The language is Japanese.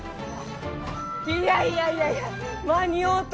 いやいやいやいや間に合うた！